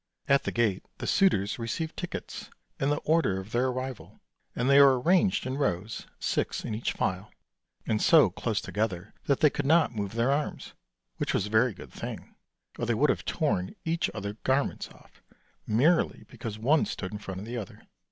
At the gate the suitors received tickets, in the order of their arrival, and they were arranged in rows, six in each file, and so close together that they could not move their arms which was a very good thing, or they would have torn each others garments off, merely because one stood in front of the other.